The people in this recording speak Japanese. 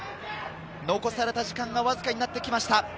残された時間はわずかになってきました。